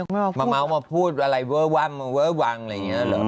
มาพูดอะไรเว้อวังเว้อวังอะไรอย่างนี้